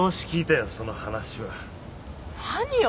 何よ！